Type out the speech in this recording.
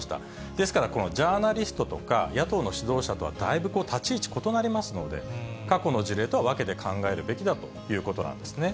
ですからこのジャーナリストとか、野党の指導者とは、だいぶ立ち位置、異なりますので、過去の事例とは分けて考えるべきだということなんですね。